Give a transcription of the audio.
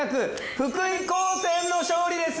福井高専の勝利です！